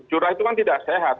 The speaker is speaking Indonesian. curah itu kan tidak sehat